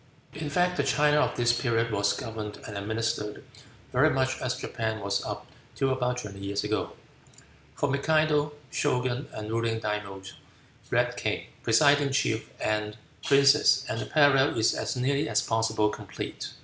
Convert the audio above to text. In fact, the China of this period was governed and administered very much as Japan was up till about twenty years ago. For Mikado, Shogun, and ruling Daimios, read king, presiding chief, and princes, and the parallel is as nearly as possible complete.